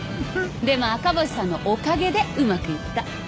でも赤星さんのおかげでうまくいった。